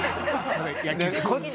こっち